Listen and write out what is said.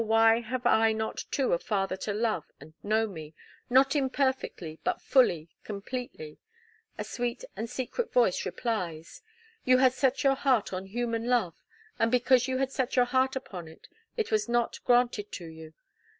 why have I not too a father to love and know me, not imperfectly, but fully completely," a sweet and secret voice replies: "You had set your heart on human love, and because you had set your heart upon it, it was not granted to you.